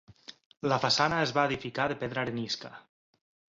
La façana es va edificar de pedra arenisca.